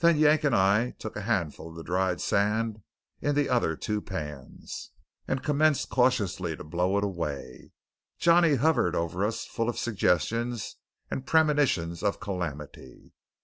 Then Yank and I took a handful of the dried sand in the other two pans, and commenced cautiously to blow it away. Johnny hovered over us full of suggestions, and premonitions of calamity.